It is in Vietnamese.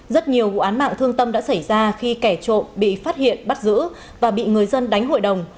rất nhiều vụ án mạng thương tâm đã xảy ra khi kẻ trộm bị phát hiện bắt giữ và bị người dân đánh hội đồng